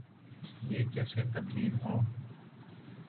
یہ کیسے تبدیل ہوں۔